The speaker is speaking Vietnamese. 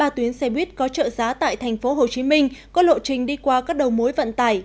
ba tuyến xe buýt có trợ giá tại tp hcm có lộ trình đi qua các đầu mối vận tải